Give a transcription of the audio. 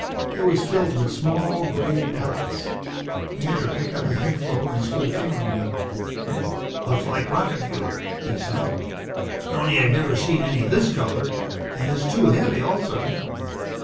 It was filled with small grey pellets. Mantor picked up a handful and stood fingering them. "Looks like rocket fuel," he said. "Only I've never seen any this color. And it's too heavy, also."